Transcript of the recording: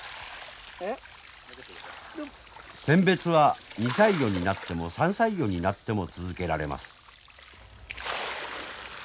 選別は２歳魚になっても３歳魚になっても続けられます。